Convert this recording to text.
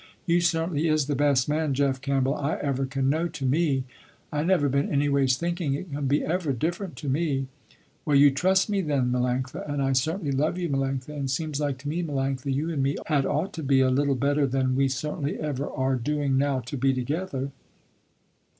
You certainly is the best man Jeff Campbell, I ever can know, to me. I never been anyways thinking it can be ever different to me." "Well you trust me then Melanctha, and I certainly love you Melanctha, and seems like to me Melanctha, you and me had ought to be a little better than we certainly ever are doing now to be together.